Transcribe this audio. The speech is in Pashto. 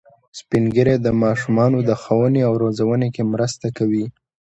سپین ږیری د ماشومانو د ښوونې او روزنې کې مرسته کوي